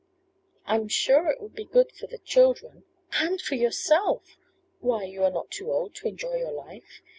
"I am sure it would be good for the children " "And for yourself! Why, you are not too old to enjoy your life.